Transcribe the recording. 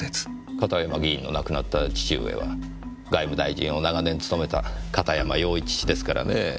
片山議員の亡くなった父上は外務大臣を長年務めた片山擁一氏ですからねぇ。